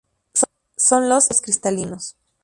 Son los "escudos cristalinos".